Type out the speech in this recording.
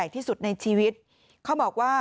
ที่สุดในชีวิตเขาบอกว่า